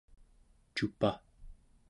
cupaᵉ